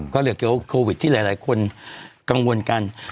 ก็เหลือเกี่ยวโควิดที่หลายคนกังวลกัน